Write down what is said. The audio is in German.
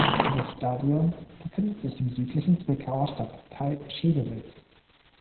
Das Stadion befindet sich im südlichen Zwickauer Stadtteil Schedewitz.